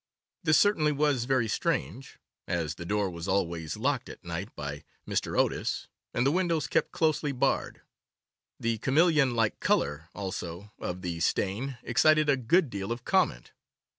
This certainly was very strange, as the door was always locked at night by Mr. Otis, and the windows kept closely barred. The chameleon like colour, also, of the stain excited a good deal of comment.